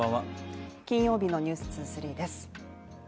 金曜日の「ｎｅｗｓ２３」です。